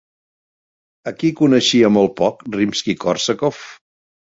A qui coneixia molt poc Rimski-Kórsakov?